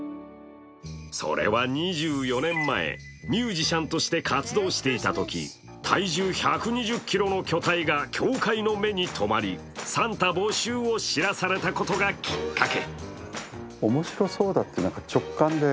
それは２４年前、ミュージシャンとして活動していたとき、体重１２０ｋｇの巨体が協会の目にとまりサンタ募集を知らされたことがきっかけ。